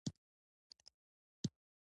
د یوې موسکا ارزښت له مرغلرو ډېر دی.